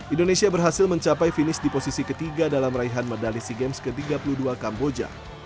indonesia berhasil mencapai finish di posisi ketiga dalam raihan medali sea games ke tiga puluh dua kamboja